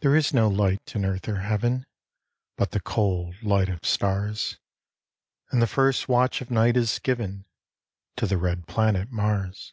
There is no light in earth or heaven, But the cold light of stars; And the first watch of night is given To the red planet Mars.